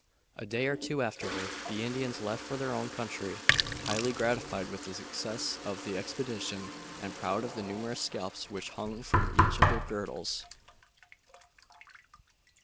A day or two afterward the Indians left for their own country, highly gratified with the success of the expedition and proud of the numerous scalps which hung from each of their girdles.